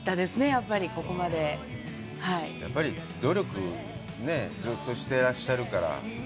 やっぱり、努力をずっとしていらっしゃるから。